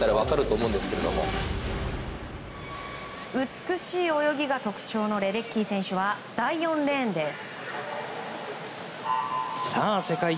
美しい泳ぎが特徴のレデッキー選手は第４レーンです。